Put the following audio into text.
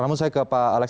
namun saya ke pak alex